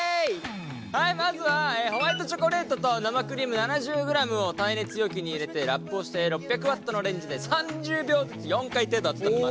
はいまずはホワイトチョコレートと生クリーム７０ｇを耐熱容器に入れてラップをして６００Ｗのレンジで３０秒ずつ４回程度温めます。